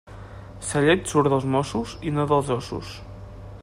Sa llet surt dels mossos i no dels ossos.